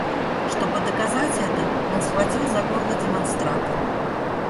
Чтобы доказать это, он схватил за горло демонстратора.